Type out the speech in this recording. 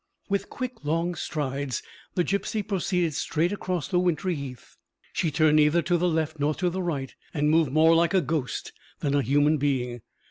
With quick, long strides the gipsy proceeded straight across the wintry heath. She turned neither to the left nor the right, and moved more like a ghost than a human being.